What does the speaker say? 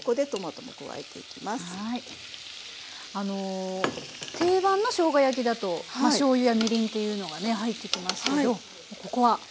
あの定番のしょうが焼きだとしょうゆやみりんっていうのがね入ってきますけどここは塩と。